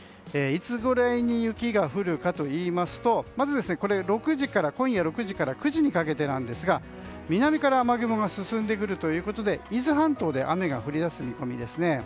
いつぐらいに雪が降るかというとまず今夜６時から９時にかけてなんですが南から雨雲が進んでくるということで伊豆半島で雨が降りだす見込みです。